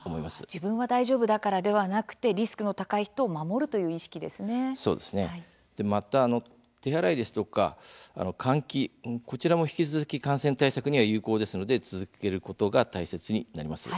自分が大丈夫だからというだけでなくリスクの高い人をまた手洗いですとか換気こちらも引き続き感染対策に有効ですので続けることが大切になります。